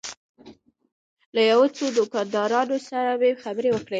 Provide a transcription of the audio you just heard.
له یو څو دوکاندارانو سره مې خبرې وکړې.